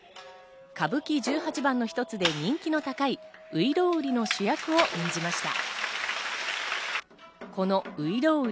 歌舞伎十八番の一つで人気の高い『外郎売』の主役を演じました。